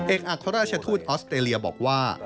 อัครราชทูตออสเตรเลียบอกว่า